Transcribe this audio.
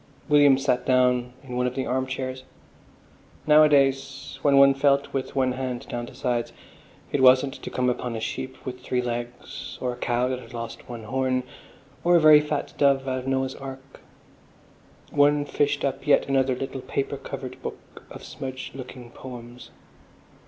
William sat down in one of the arm chairs. Nowadays, when one felt with one hand down the sides, it wasn't to come upon a sheep with three legs or a cow that had lost one horn, or a very fat dove out of the Noah's Ark. One fished up yet another little paper covered book of smudged looking poems....